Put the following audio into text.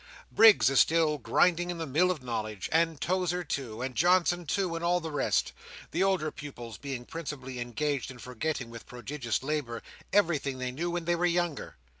Briggs is still grinding in the mill of knowledge; and Tozer, too; and Johnson, too; and all the rest; the older pupils being principally engaged in forgetting, with prodigious labour, everything they knew when they were younger.